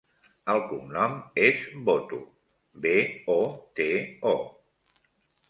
El cognom és Boto: be, o, te, o.